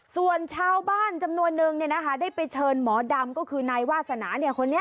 ส่วนชาวบ้านจำนวนนึงได้ไปเชิญหมอดำก็คือนายวาสนาคนนี้